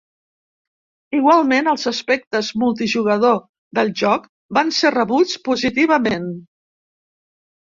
Igualment, els aspectes multijugador del joc van ser rebuts positivament.